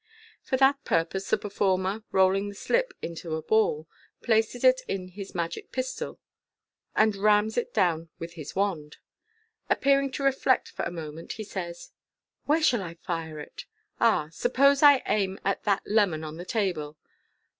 For that purpose, the performer, rolling the slip into a ball, places it in his magic pistol (see page 215), and rams it down with his wand. Appearing to reflect for a moment, he says, *' Where shall I fire it ? Ah ! suppose I aim at that lemon on the table